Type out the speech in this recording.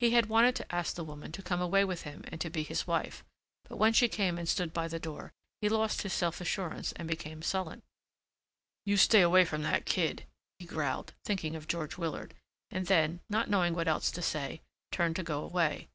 He had wanted to ask the woman to come away with him and to be his wife, but when she came and stood by the door he lost his self assurance and became sullen. "You stay away from that kid," he growled, thinking of George Willard, and then, not knowing what else to say, turned to go away.